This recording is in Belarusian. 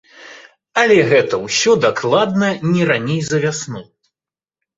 Але гэта ўсё дакладна не раней за вясну.